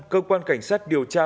cơ quan cảnh sát điều tra